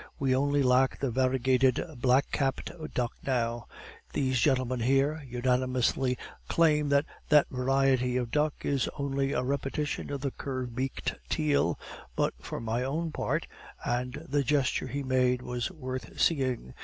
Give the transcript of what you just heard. We only lack the variegated black capped duck now. These gentlemen here, unanimously claim that that variety of duck is only a repetition of the curve beaked teal, but for my own part," and the gesture he made was worth seeing.